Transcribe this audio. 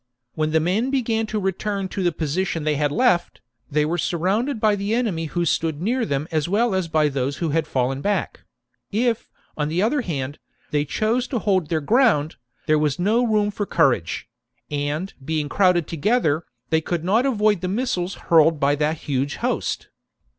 When the men began to return to the position they had left, they were surrounded by the enemy who stood near them as well as by those who had fallen back : if, on the other hand, they chose to hold their ground, there was no room for courage ; and, being crowded to gether, they could not avoid the missiles hurled by that huge host.